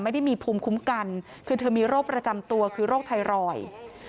ไม่ได้มีภูมิคุ้มกันคือเธอมีโรคประจำตัวคือโรคไทรอยด์